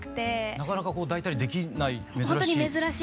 なかなかこう抱いたりできない珍しい。